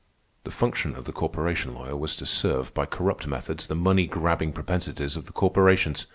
The function of the corporation lawyer was to serve, by corrupt methods, the money grabbing propensities of the corporations.